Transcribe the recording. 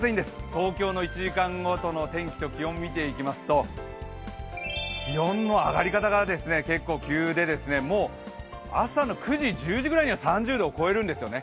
東京のⅠ時間ごとの天気と気温を見ていきますと気温の上がり方が結構急で、もう朝の９時、１０時ぐらいには３０度を超えるんですよね。